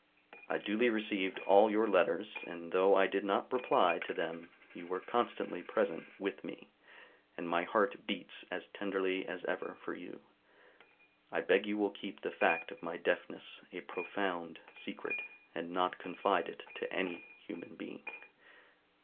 I duly received all your letters, and though I did not reply to them, you were constantly present with me, and my heart beats as tenderly as ever for you. I beg you will keep the fact of my deafness a profound secret, and not confide it to any human being.